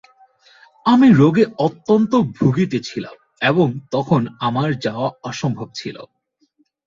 আমি রোগে অত্যন্ত ভুগিতেছিলাম, এবং তখন আমার যাওয়া অসম্ভব ছিল।